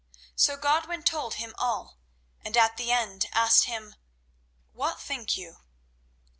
So Godwin told him all, and at the end asked him, "What think you?"